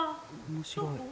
面白い。